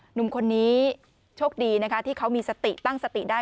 หนุ่มคนนี้โชคดีนะคะที่เขามีสติตั้งสติได้